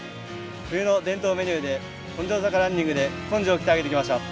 冬の伝統メニューで根性坂ランニングで根性を鍛え上げてきました。